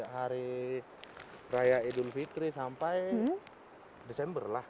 hari raya idul fitri sampai desember lah